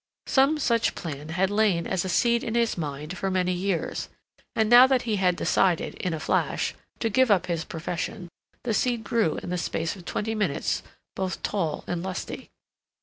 Some such plan had lain as a seed in his mind for many years; and now that he had decided, in a flash, to give up his profession, the seed grew in the space of twenty minutes both tall and lusty.